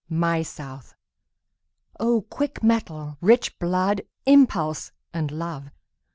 My South!O quick mettle, rich blood, impulse, and love!